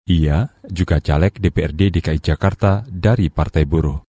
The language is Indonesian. ia juga caleg dprd dki jakarta dari partai buruh